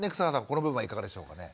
この部分はいかがでしょうかね？